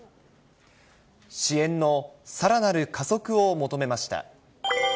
支援のさらなる加速を求めました。